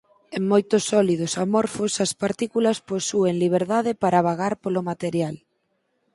En moitos sólidos amorfos as partículas posúen liberdade para vagar polo material.